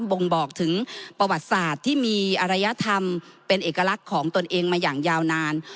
บ่งบอกถึงประวัติศาสตร์ที่มีอรยธรรมเป็นเอกลักษณ์ของตนเองมาอย่างยาวนาน